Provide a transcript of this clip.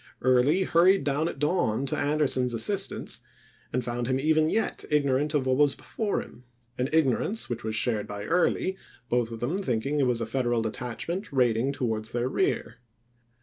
Early hurried down at dawn to Anderson's assistance and found him even yet igno rant of what was before him, an ignorance which was shared by Early, both of them thinking it was a Federal detachment raiding towards their rear.